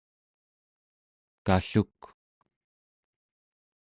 kalluk